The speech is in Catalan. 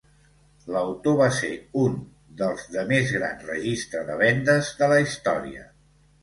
L'autor va ser un dels de més gran registre de vendes de la història.